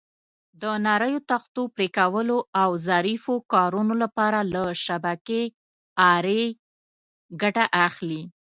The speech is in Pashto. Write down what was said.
د نریو تختو پرېکولو او ظریفو کارونو لپاره له شبکې آرې ګټه اخلي.